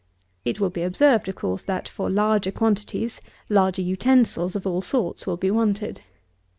It will be observed, of course, that, for larger quantities, larger utensils of all sorts will be wanted.